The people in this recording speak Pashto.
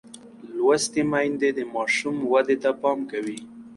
لوستې میندې د ماشوم ودې ته پام کوي.